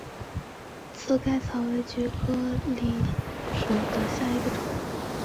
刺盖草为菊科蓟属下的一个种。